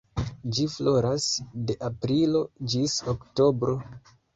Ĝi floras de aprilo ĝis oktobro.